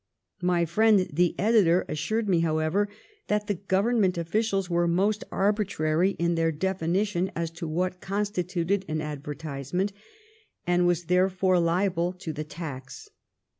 My friend the editor assured me, however, that the Government officials were most arbitrary in their definition as to what con stituted an advertisement and was therefore liable to the tax.